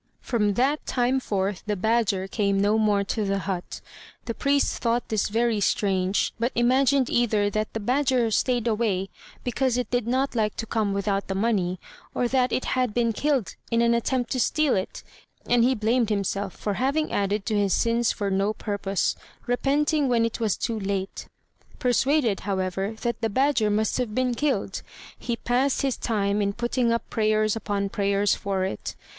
From that time forth the badger came no more to the hut. The priest thought this very strange, but imagined either that the badger stayed away because it did not like to come without the money, or that it had been killed in an attempt to steal it; and he blamed himself for having added to his sins for no purpose, repenting when it was too late: persuaded, however, that the badger must have been killed, he passed his time in putting up prayers upon prayers for it.